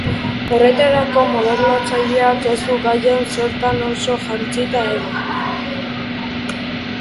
Horretarako, moderatzaileak ez du gaian zertan oso jantzita egon.